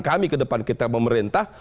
kami ke depan kita pemerintah